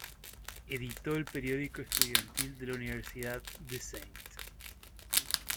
Editó el periódico estudiantil de la universidad, "The Saint".